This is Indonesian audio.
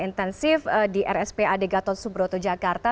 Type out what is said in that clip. intensif di rspad gatot subroto jakarta